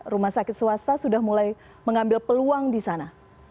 rumah sakit swasta sudah mulai mengambil peluang di sana